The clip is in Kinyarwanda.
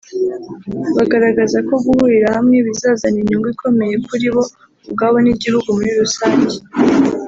bagaragaza ko guhurira hamwe bizazana inyungu ikomeye kuri bo ubwabo n’igihugu muri rusange